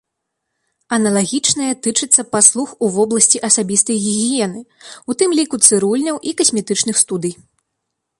Аналагічнае тычыцца паслуг у вобласці асабістай гігіены, у тым ліку цырульняў і касметычных студый.